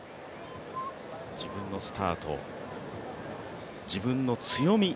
自分のスタート、自分の強み